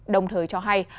đồng thời cho hay